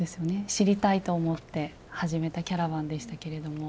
知りたいと思って始めたキャラバンでしたけれども。